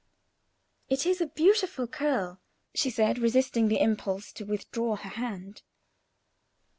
"It is a beautiful curl," she said, resisting the impulse to withdraw her hand.